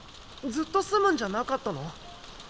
ずっと住むんじゃなかったの？